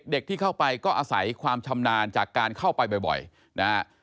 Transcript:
เด็กที่เข้าไปก็อาศัยความชำนาญจากการเข้าไปบ่อยนะฮะ